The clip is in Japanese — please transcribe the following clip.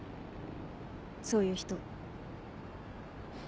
そういう人。